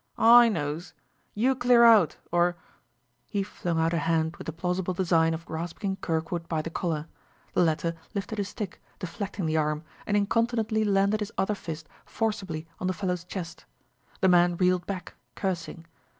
"I knows. You clear hout, or " He flung out a hand with the plausible design of grasping Kirkwood by the collar. The latter lifted his stick, deflecting the arm, and incontinently landed his other fist forcibly on the fellow's chest. The man reeled back, cursing.